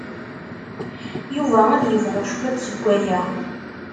Yuba ad yebɣu cwiṭ seg waya.